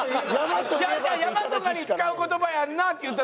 「山とかに使う言葉やんな？」って言っただけ。